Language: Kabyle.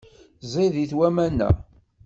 Ẓidit waman-a.